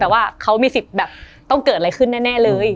แต่ว่าเขามีสิทธิ์แบบต้องเกิดอะไรขึ้นแน่เลย